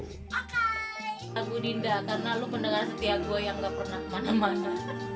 lagu dinda karena lu pendengar setiap gue yang nggak pernah kemana mana